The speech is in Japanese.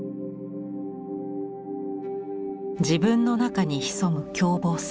自分の中に潜む凶暴性。